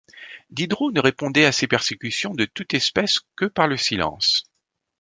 Diderot ne répondait à ces persécutions de toutes espèces que par le silence.